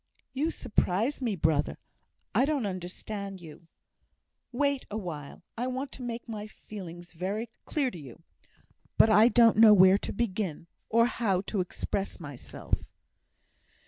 "You surprise me, brother! I don't understand you." "Wait awhile! I want to make my feelings very clear to you, but I don't know where to begin, or how to express myself."